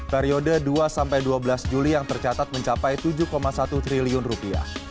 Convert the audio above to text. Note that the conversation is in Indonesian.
periode dua dua belas juli yang tercatat mencapai tujuh satu triliun rupiah